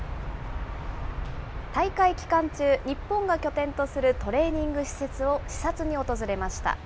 大会期間中、日本が拠点とするトレーニング施設を視察に訪れました。